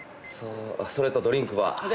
それとドリンクバー。